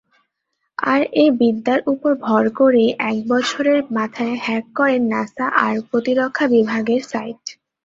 আর এ বিদ্যার উপর ভর করেই এক বছরের মাথায় হ্যাক করেন নাসা আর প্রতিরক্ষা বিভাগের সাইট।